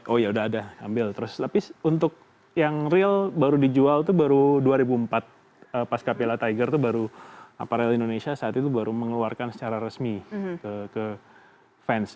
oh ya udah ada ambil terus tapi untuk yang real baru dijual tuh baru dua ribu empat pasca piala tiger tuh baru aparel indonesia saat itu baru mengeluarkan secara resmi ke fans